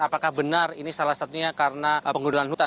apakah benar ini salah satunya karena penggunaan hutan